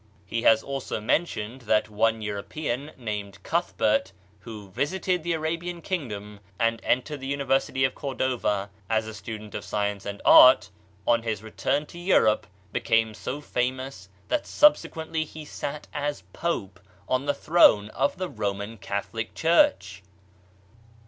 He has also mentioned that one European named Cuthbert, who visited the Arabian kingdom and entered (he university of Cordova, as a student of science and art on his return to Europe became so famous that sub sequently he sat as Pope on the throne of the Roman Catholic Church.